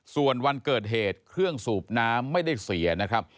ส่วนวันเกิดเหตุเครื่องสูบน้ำไม่ได้เสียนะครับ